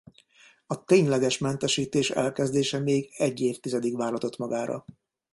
A tényleges mentesítés elkezdése még egy évtizedig váratott magára.